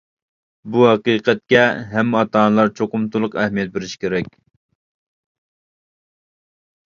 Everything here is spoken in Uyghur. بۇ ھەقىقەتكە ھەممە ئاتا-ئانىلار چوقۇم تولۇق ئەھمىيەت بېرىشى كېرەك.